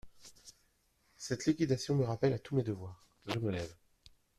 Cette liquidation me rappelle à tous mes devoirs… je me lève…